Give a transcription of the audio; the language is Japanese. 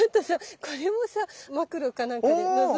これもさマクロか何かでのぞいてみない？